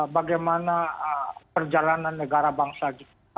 bagaimana perjalanan negara bangsa kita